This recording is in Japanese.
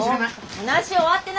話終わってないよ。